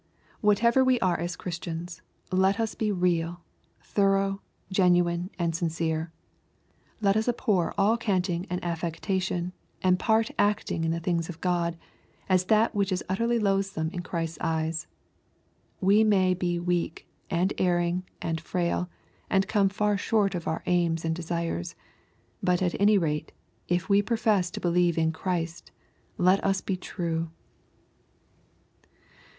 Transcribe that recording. Whatever we are as Christians, let us be real, thorough, genuine and sincere. Let us abhor all canting and affectation, and part acting in the things of God, as that wliich is utterly loathsome in Christ's eyes. We may be weak, and erring, and frail, and come far short of our aims and desires. But at any rate, if we profess to be lieve in Christ, let us be true.